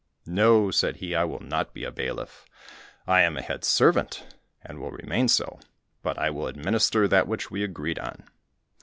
"No," said he, "I will not be a bailiff, I am head servant, and will remain so, but I will administer that which we agreed on."